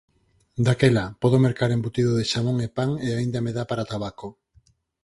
Daquela, podo mercar embutido de xamón e pan e aínda me dá para tabaco.